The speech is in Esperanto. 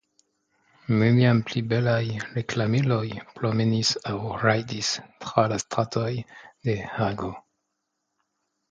Neniam pli belaj reklamiloj promenis aŭ rajdis tra la stratoj de Hago?